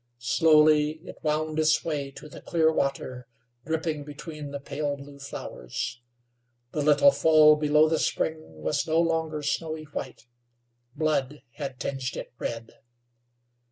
Slowly it wound its way to the clear water, dripping between the pale blue flowers. The little fall below the spring was no longer snowy white; blood had tinged it red.